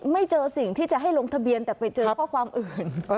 ไม่เจอสิ่งที่จะให้ลงทะเบียนแต่ไปเจอข้อความอื่น